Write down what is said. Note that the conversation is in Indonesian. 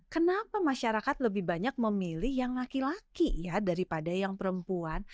kenapa masyarakat lebih banyak memilih yang laki laki ya daripada yang perempuan